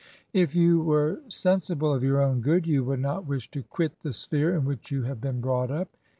... If you were sensible of your own good, you would not wish to quit the sphere in which you have been brought up.'